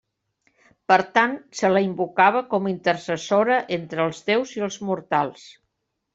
Per tant, se la invocava com a intercessora entre els déus i els mortals.